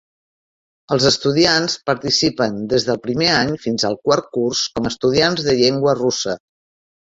Els estudiants participen des del primer any fins al quart curs com a estudiants de llengua russa.